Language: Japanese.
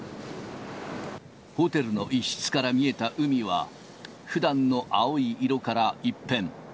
ホテルの一室から見えた海は、ふだんの青い色から一変。